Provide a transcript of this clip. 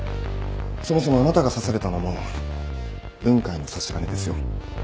そもそもあなたが刺されたのも雲海の差し金ですよ